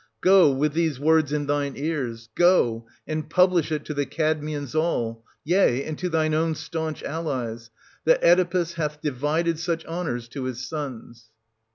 Go, with these words in thine ears — go, and publish it to the Cadmeans all, yea, and to thine own staunch allies, that Oedipus hath divided such honours to his sons.